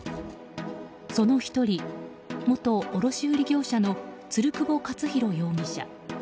その１人、元卸売業者の鶴窪勝広容疑者。